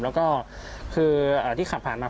แล้วก็คือที่ขับผ่านมา